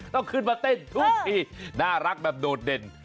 ต้องขึ้นมาเต้นทุกทีน่ารักแบบโดดเด่น